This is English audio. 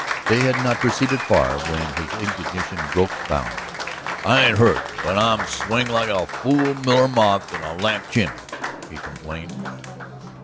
They had not proceeded far when his indignation broke bounds. "I ain't hurt, but I'm swinged like a fool miller moth in a lamp chimley," he complained.